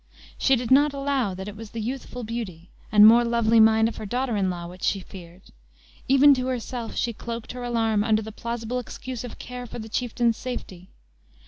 She did not allow that it was the youthful beauty, and more lovely mind of her daughter in law, which she feared; even to herself she cloaked her alarm under the plausible excuse of care for the chieftain's safety.